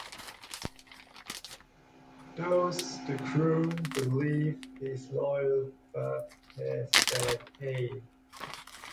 Thus the crew believe he's loyal, but has bad aim.